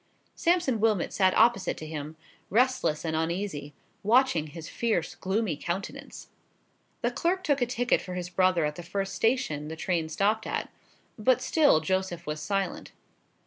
Sampson Wilmot sat opposite to him, restless and uneasy, watching his fierce gloomy countenance. The clerk took a ticket for his brother at the first station the train stopped at. But still Joseph was silent.